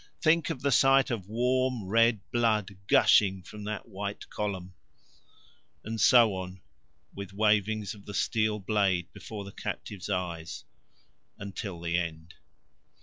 Think of the sight of warm red blood gushing from that white column!" And so on, with wavings of the steel blade before the captive's eyes, until the end.